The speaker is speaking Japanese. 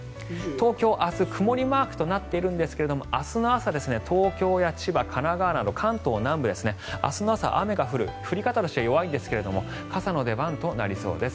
東京は曇りマークになっているんですが明日の朝、東京や千葉神奈川など関東南部ですね明日の朝、雨が降る降り方は弱いですが傘の出番となりそうです。